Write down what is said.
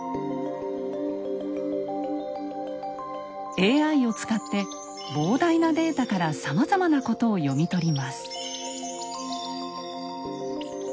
ＡＩを使って膨大なデータからさまざまなことを読み取ります。